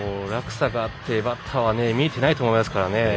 落差があってバッターは見えていないと思いますからね。